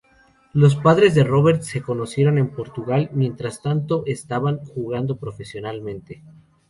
Los padres de Roberts se conocieron en Portugal, mientras tanto estaban jugando profesionalmente.